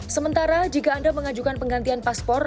sementara jika anda mengajukan penggantian paspor